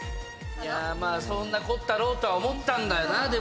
そんなこったろうとは思ったんだよな。